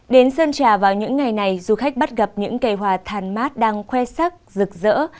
đến sơn trà vào những ngày này du khách bắt gặp những cây hoa thàn mát đang khoe sắc rực rỡ